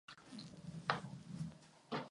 Působila v "Office for Metropolitan Architecture".